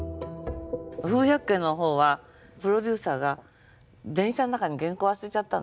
「夫婦百景」の方はプロデューサーが電車の中に原稿忘れちゃったんですよ。